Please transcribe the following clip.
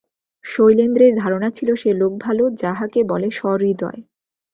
শৈলেন্দ্রের ধারণা ছিল, সে লোক ভালো, যাহাকে বলে সহৃদয়।